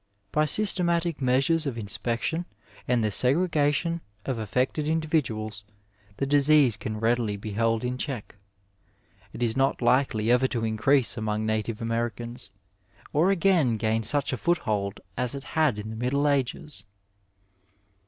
By systematic measures of inspection and the segregation of affected individuals the disease can readily be held in check. It is not likely ever to increase among native Americans, or again gain such a foothold as it had in the Middle Ages.